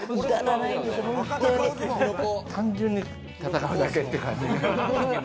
単純に戦うだけって感じ。